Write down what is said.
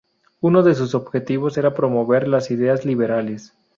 Uno de sus objetivos era promover las ideas liberales.